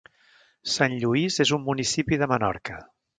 Sant Lluís és un municipi de Menorca.